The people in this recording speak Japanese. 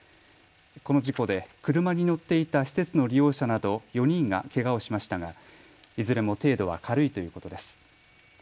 この事故で車に乗っていた施設の利用者など４人がけがをしましたがいずれも程度は軽いということです。